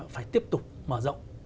phải tiếp tục mở rộng